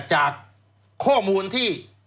จากข้อมูลที่